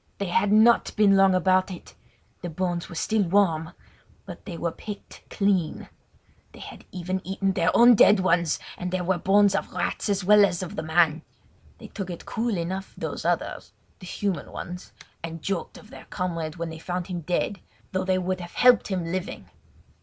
They had not been long about it! The bones were still warm; but they were picked clean. They had even eaten their own dead ones and there were bones of rats as well as of the man. They took it cool enough those other—the human ones—and joked of their comrade when they found him dead, though they would have helped him living.